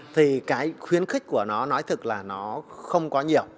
thì cái khuyến khích của nó nói thực là nó không có nhiều